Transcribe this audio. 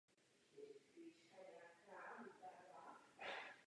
Junilistan se tedy rozhodl hlasovat pro usnesení jako celek.